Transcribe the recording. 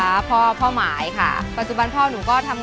อายุ๒๔ปีวันนี้บุ๋มนะคะ